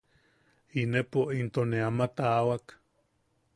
Inepo into ne ama taawak.